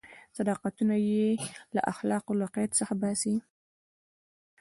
صداقتونه یې له اخلاقو له قید څخه باسي.